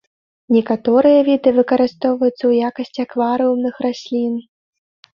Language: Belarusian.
Некаторыя віды выкарыстоўваюцца ў якасці акварыумных раслін.